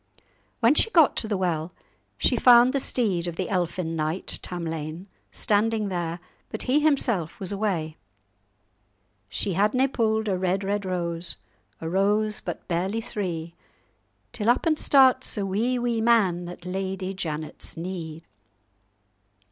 When she got to the well, she found the steed of the elfin knight Tamlane standing there, but he himself was away. "She hadna pu'd a red, red rose, A rose but barely three; Till up and starts a wee, wee man At Lady Janet's knee.